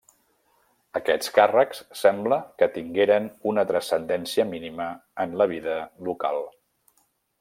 Aquests càrrecs sembla que tengueren una transcendència mínima en la vida local.